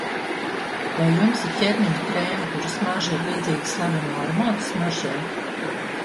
Vai jums ir ķermeņa krēmi, kuru smarža ir līdzīga slaveno aromātu smaržai?